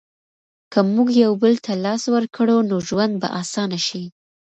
که موږ یو بل ته لاس ورکړو نو ژوند به اسانه شي.